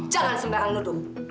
jangan sembarang nuduh